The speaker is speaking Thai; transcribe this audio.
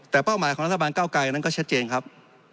แต่เป้าหมายของรัฐบาลเก้าไกรนั้นก็ชัดเจนครับ